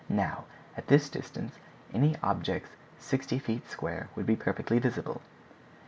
Now, at this distance, any objects sixty feet square would be perfectly visible.